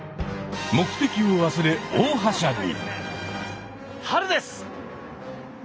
目的を忘れ大はしゃぎ！